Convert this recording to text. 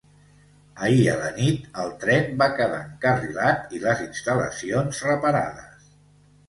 Ahir a la nit el tren va quedar encarrilat i les instal·lacions reparades.